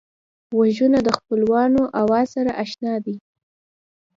غوږونه د خپلوانو آواز سره اشنا دي